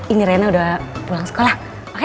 ini rena udah pulang sekolah